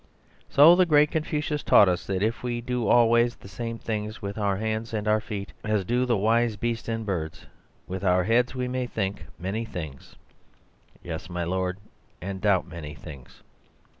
So the great Confucius taught us that if we do always the same things with our hands and our feet as do the wise beasts and birds, with our heads we may think many things: yes, my Lord, and doubt many things.